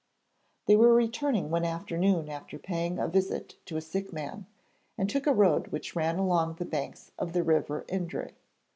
They were returning one afternoon after paying a visit to a sick man and took a road which ran along the banks of the river Indre.